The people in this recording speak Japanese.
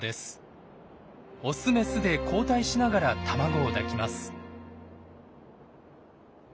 オスメスで交代しながら卵を抱きます。